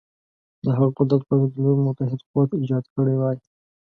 د هغه قدرت پر ضد یو لوی متحد قوت ایجاد کړی وای.